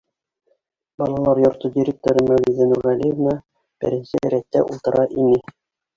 Балалар йорто директоры Мәүлиҙә Нурғәлиевна беренсе рәттә ултыра ине.